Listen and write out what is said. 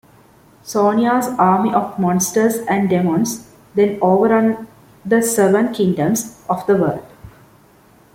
Sonia's army of monsters and demons then overrun the seven kingdoms of the world.